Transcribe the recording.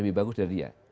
lebih bagus dari dia